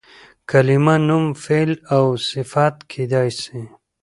کلیمه نوم، فعل او صفت کېدای سي.